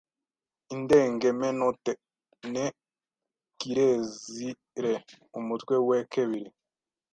indengemenote ne kirezire. Umutwe we kebiri